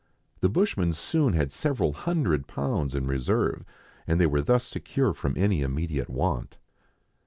The bushman soon had several hundred pounds in reserve, and they were thus secure from any immediate want.